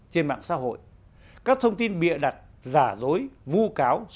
trên mạng xã hội các thông tin bịa đặt giả dối vu cáo